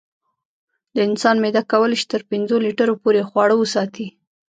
د انسان معده کولی شي تر پنځو لیټرو پورې خواړه وساتي.